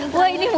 apa aja sih mbak